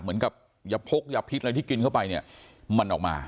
เหมือนกับอย่าพกอย่าพิษอะไรที่กินเข้าไปเนี่ยมันออกมา